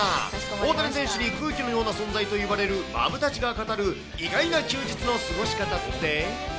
大谷選手に空気のような存在といわれるマブダチが語る意外な休日の過ごし方って？